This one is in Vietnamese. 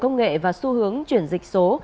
công nghệ và xu hướng chuyển dịch số